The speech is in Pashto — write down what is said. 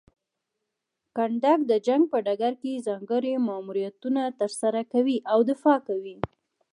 کنډک د جنګ په ډګر کې ځانګړي ماموریتونه ترسره کوي او دفاع کوي.